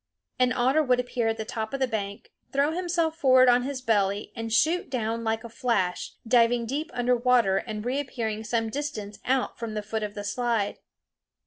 An otter would appear at the top of the bank, throw himself forward on his belly and shoot downward like a flash, diving deep under water and reappearing some distance out from the foot of the slide.